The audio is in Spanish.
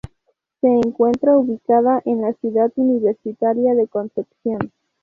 Se encuentra ubicada en la Ciudad Universitaria de Concepción.